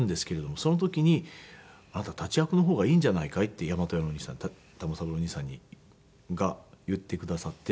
その時に「あなた立役の方がいいんじゃないかい？」って大和屋のお兄さん玉三郎お兄さんが言ってくださって。